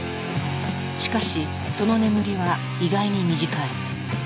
しかしその眠りは意外に短い。